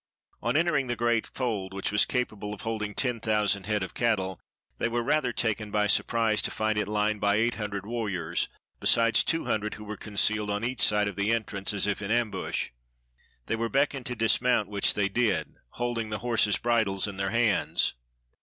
On entering the great fold, which was capable of holding ten thousand 381 WESTERN AND CENTRAL AFRICA head of cattle, they were rather taken by surprise to find it lined by eight hundred warriors, besides two hun dred who were concealed on each side of the entrance, as if in ambush. They were beckoned to dismount, which they did, holding the horses' bridles in their hands.